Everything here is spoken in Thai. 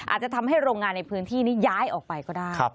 อาจจะทำให้โรงงานในพื้นที่นี้ย้ายออกไปก็ได้